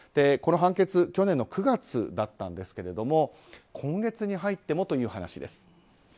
この判決去年の９月だったんですが今月に入ってもという話です。